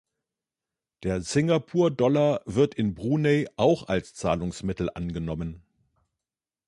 Der Singapur-Dollar wird in Brunei auch als Zahlungsmittel angenommen.